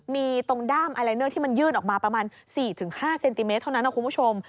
มีตรงด้ามไอลายเนอร์ที่มันยื่นออกมาประมาณ๔๕เซนติเมตรเท่านั้นนะคุณผู้ชม